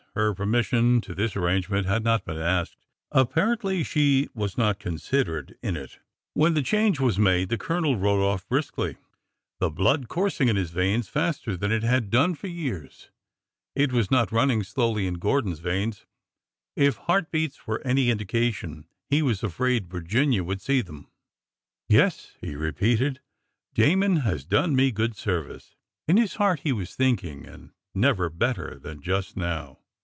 Her permission to this arrangement had not been asked. Apparently, she was not considered in it. 396 ORDER NO. 11 When the change was made, the Colonel rode off briskly, the blood coursing in his veins faster than it had done for years. It was not running slowly in Gordon's veins, if heart beats were any indication. He was afraid Virginia would see them. '' Yes," he repeated ;'' Damon has done me good ser vice." In his heart he was thinking, '' And never better than just now."